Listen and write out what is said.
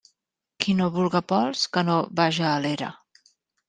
Qui no vulga pols, que no vaja a l'era.